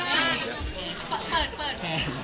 รักด้วยต่อ